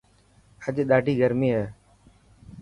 اڄ ڏاڌي گرمي هي.